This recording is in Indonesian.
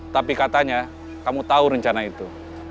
tapi katanya kamu tahu rencana itu